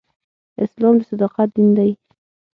اسلام د صداقت دین دی.